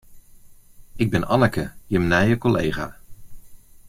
Ik bin Anneke, jim nije kollega.